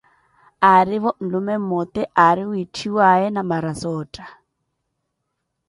Aarivo nlume mmote aari witthiwaye Namarazootha.